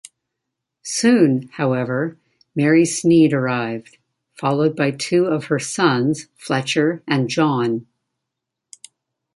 Soon, however, Mary Snead arrived, followed by two of her sons, Fletcher and John.